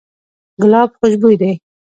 ګلاب خوشبوی دی.